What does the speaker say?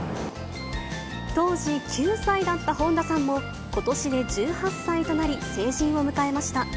当時９歳だった本田さんも、ことしで１８歳となり、成人を迎えました。